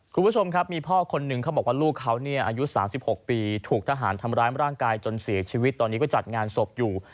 คุณผู้ชมครับมีพ่อคนหนึ่งเขาบอกว่าลูกเขาเนี่ยอายุ๓๖ปีถูกทหารทำร้ายร่างกายจนเสียชีวิตตอนนี้ก็จัดงานศพอยู่